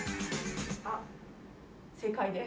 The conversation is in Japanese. あ、正解です。